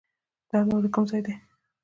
درد مو د کوم ځای دی؟